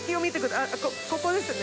あっここですね。